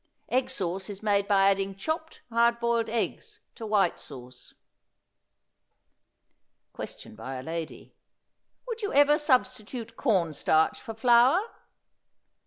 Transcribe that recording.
Egg sauce is made by adding chopped hard boiled eggs to white sauce. Question by a Lady. Would you ever substitute cornstarch for flour?